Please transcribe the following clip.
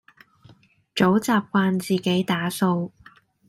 早習慣自己打掃